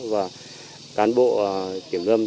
và cán bộ kiểm lâm